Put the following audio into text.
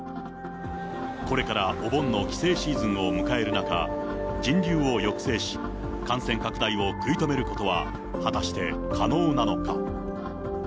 これからお盆の帰省シーズンを迎える中、人流を抑制し、感染拡大を食い止めることは果たして可能なのか。